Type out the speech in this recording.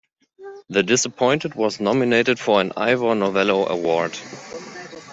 "The Disappointed" was nominated for an Ivor Novello award.